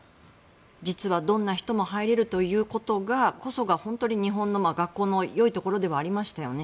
実はどんな人も入れるということこそが本当に日本の学校のよいところではありますよね。